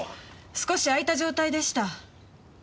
少し開いた状態でした。